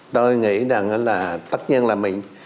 tôi nghĩ rằng là tất nhiên là mình